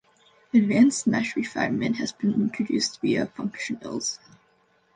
Advanced mesh refinement has been introduced via functionals.